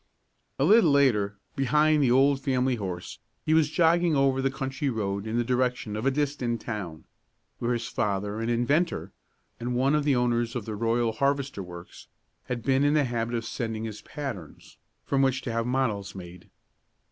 A little later, behind the old family horse, he was jogging over the country road in the direction of a distant town, where his father, an inventor, and one of the owners of the Royal Harvester Works, had been in the habit of sending his patterns from which to have models made.